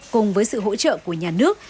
cùng với sự hỗ trợ của nhà nước